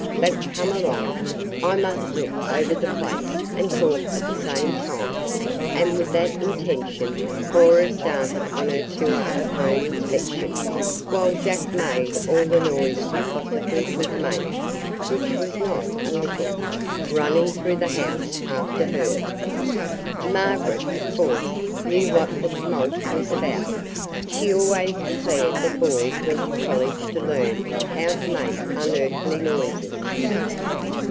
But come along. I must look over the place, and talk at the same time," and with that intention Cora started on her tour of home inspection, while Jack made all the noise he possibly could make (which was not a little), running through the house after her. Margaret, of course, knew what the tumult was about. She always declared that boys went to college to learn how to make unearthly noises.